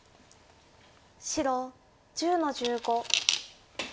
白１０の十五。